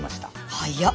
早っ！